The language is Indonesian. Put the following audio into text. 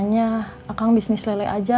hanya akang bisnis lele aja